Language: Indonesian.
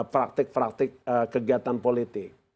praktik praktik kegiatan politik